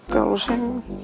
kalau saya mau